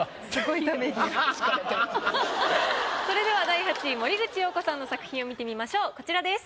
それでは第８位森口瑤子さんの作品を見てみましょうこちらです。